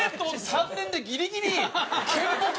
３年でギリギリ県簿記。